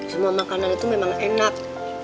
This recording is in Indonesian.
semua makanan itu memang enak